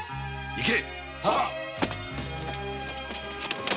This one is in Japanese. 行け！